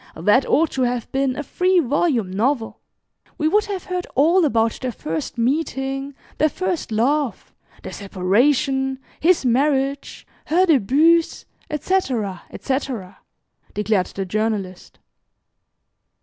That ought to have been a three volume novel. We would have heard all about their first meeting, their first love, their separation, his marriage, her débuts, etc., etc.," declared the Journalist.